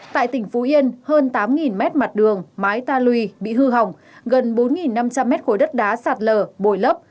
tại tỉnh phú yên hơn tám mét mặt đường mái ta lùi bị hư hỏng gần bốn năm trăm linh mét khối đất đá sạt lở bồi lấp